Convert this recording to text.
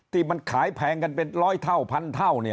ที่มันขายแพงกันเป็นร้อยเท่าพันเท่าเนี่ย